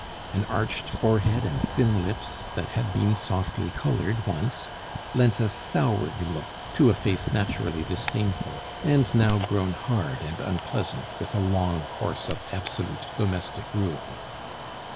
An arched forehead and thin lips, that had been softly colored once, lent a soured look to a face naturally disdainful, and now grown hard and unpleasant with a long course of absolute domestic rule.